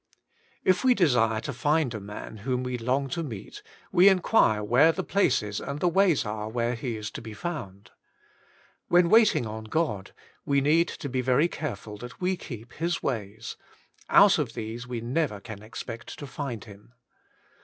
IF we desire to find a man whom we long to meet, we inquire where the places and the ways are where he is to be found. When wait ing on God, we need to be very careful that we keep His ways ; out of these we never can ex pect to find Him.